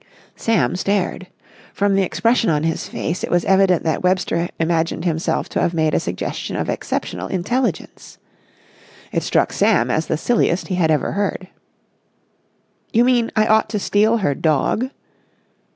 Sam stared. From the expression on his face it was evident that Webster imagined himself to have made a suggestion of exceptional intelligence. It struck Sam as the silliest he had ever heard. "You mean I ought to steal her dog?"